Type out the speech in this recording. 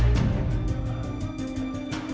terima kasih pak